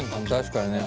確かにね。